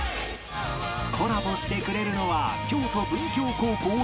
コラボしてくれるのは